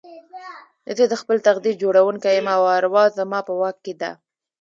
زه د خپل تقدير جوړوونکی يم او اروا زما په واک کې ده.